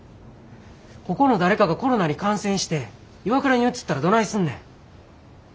ここの誰かがコロナに感染して岩倉にうつったらどないすんねん。